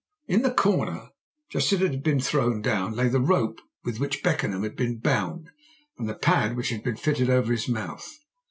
In the corner, just as it had been thrown down, lay the rope with which Beckenham had been bound and the pad which had been fitted over his mouth.